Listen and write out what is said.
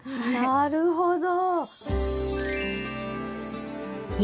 なるほど。